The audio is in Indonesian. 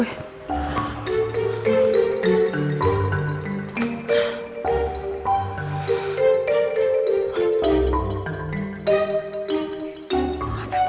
saya di sini semua ini